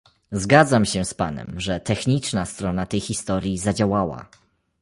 Zgadzam się z Panem, że techniczna strona tej historii zadziałała